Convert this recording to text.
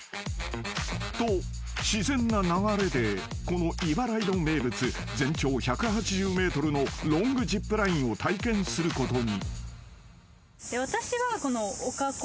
［と自然な流れでこのイバライド名物全長１８０ｍのロングジップラインを体験することに］